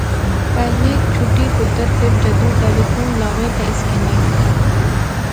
پہلے چٹھی پتر، فیر جدوں ٹیلیفون لاغے تے اس کنے